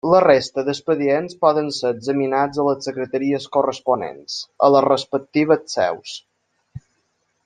La resta d'expedients poden ser examinats a les Secretaries corresponents, a les respectives seus.